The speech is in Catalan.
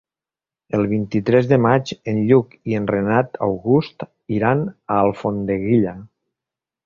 El vint-i-tres de maig en Lluc i en Renat August iran a Alfondeguilla.